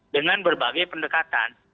dengan berbagai pendekatan